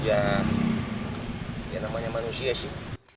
dia namanya manusia sih